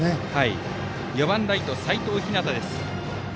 打席には４番ライト、齋藤陽です。